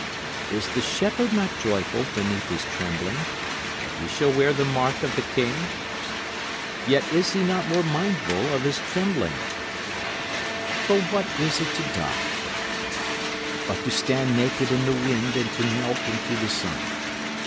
Is the shepherd not joyful beneath his trembling, that he shall wear the mark of the king? Yet is he not more mindful of his trembling? For what is it to die but to stand naked in the wind and to melt into the sun?